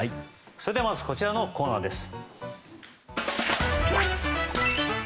それではまずこちらのコーナーです。